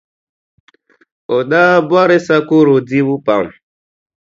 O daa bɔri sakɔro dibu pam.